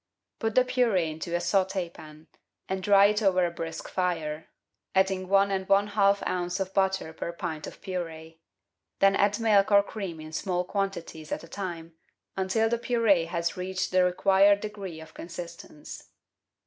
Put the purde into a sautdpan, and dry it over a brisk fire, adding one and one half oz. of butter per pint of purde; then add milk or cream in small quantities at a time, until the purde has reached the required degree of consistence.